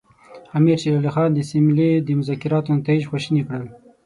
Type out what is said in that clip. امیر شېر علي خان د سیملې د مذاکراتو نتایج خواشیني کړل.